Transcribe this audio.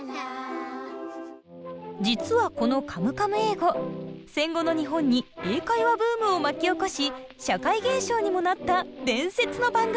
実はこのカムカム英語戦後の日本に英会話ブームを巻き起こし社会現象にもなった伝説の番組なんです！